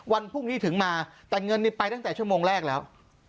วันพรุ่งนี้ถึงมาแต่เงินนี้ไปตั้งแต่ชั่วโมงแรกแล้ว